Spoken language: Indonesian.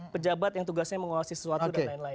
pejabat yang tugasnya menguasai sesuatu